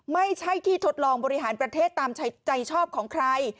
ไม่ใช่ที่ทดลองบริหารประเทศตามใจชอบของใคร